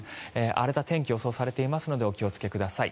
荒れた天気予想されていますのでお気をつけください。